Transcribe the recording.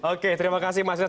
oke terima kasih mas revo